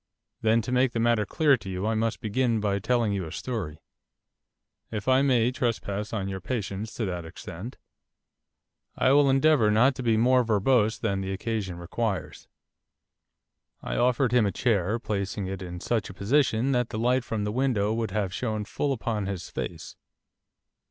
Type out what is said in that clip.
Then, to make the matter clear to you I must begin by telling you a story, if I may trespass on your patience to that extent. I will endeavour not to be more verbose than the occasion requires.' I offered him a chair, placing it in such a position that the light from the window would have shone full upon his face.